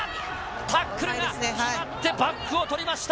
タックルが決まってバックを取りました。